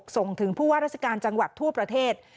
ส่งถึงผู้ว่าราชการจังหวัดทั่วประเทศ